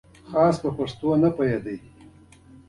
پر هغه باندې رښتيا لکه اولاد ګران وم.